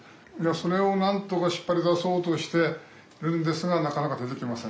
それをなんとか引っ張り出そうとしてるんですがなかなか出てきません。